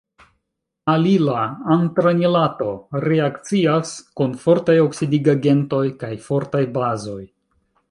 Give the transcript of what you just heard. Alila antranilato reakcias kun fortaj oksidigagentoj kaj fortaj bazoj.